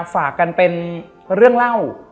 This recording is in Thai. ฝากกันเป็นเรื่องเล่า